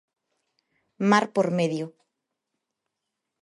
Mar por medio.